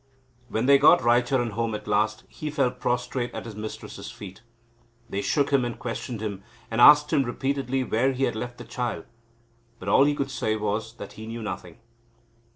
When they got Raicharan home at last, he fell prostrate at his mistress's feet. They shook him, and questioned him, and asked him repeatedly where he had left the child; but all he could say was, that he knew nothing.